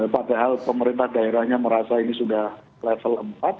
padahal pemerintah daerahnya merasa ini sudah level empat